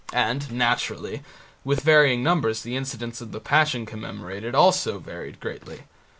And, naturally, with varying numbers the incidents of the Passion commemorated also varied greatly.